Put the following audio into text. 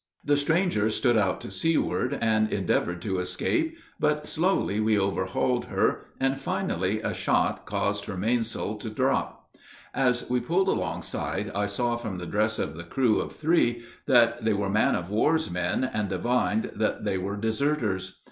The stranger stood out to seaward, and endeavored to escape; but slowly we overhauled her, and finally a shot caused her mainsail to drop. As we pulled alongside I saw from the dress of the crew of three that they were man of war's men, and divined that they were deserters.